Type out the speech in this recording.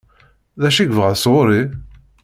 D acu i yebɣa sɣur-i?